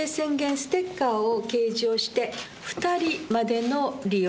ステッカーを掲示をして、２人までの利用。